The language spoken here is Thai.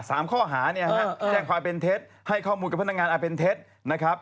สามข้อหาเนี่ยฮะแจ้งความเป็นเท็จให้ข้อมูลกับพนักงานอันเป็นเท็จนะครับ